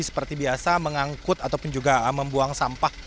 seperti biasa mengangkut ataupun juga membuang sampah